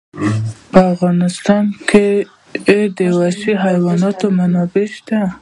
په افغانستان کې د وحشي حیوانات منابع شته.